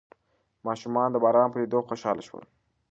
ماشومان د باران په لیدو خوشحال شول.